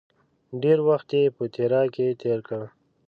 ډېر وخت یې په تیراه کې تېر کړ.